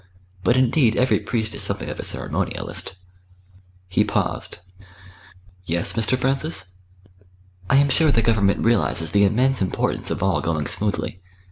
But indeed every priest is something of a ceremonialist." He paused. "Yes, Mr. Francis?" "I am sure the Government realises the immense importance of all going smoothly.